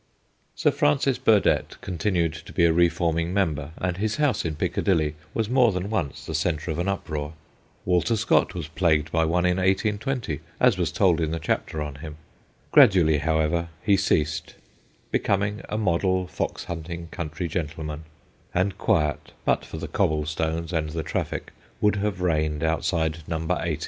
Sir Francis Burdett continued to be a reforming member, and his house in Picca dilly was more than once the centre of an uproar. Walter Scott was plagued by one in 1820, as was told in the chapter on him. Gradually, however, he ceased, becoming a model fox hunting country gentleman ; and quiet, but for the cobble stones and the traffic, would have reigned outside No. 80.